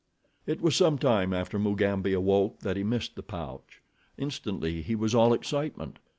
It was some time after Mugambi awoke that he missed the pouch. Instantly he was all excitement.